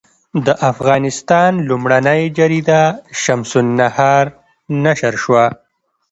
د افغانستان لومړنۍ جریده شمس النهار نشر شوه.